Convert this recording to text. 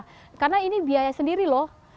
tapi saya berpikir karena ini biaya sendiri loh